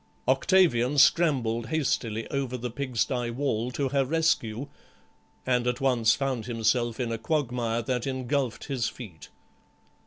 Octavian scrambled hastily over the pigsty wall to her rescue, and at once found himself in a quagmire that engulfed his feet.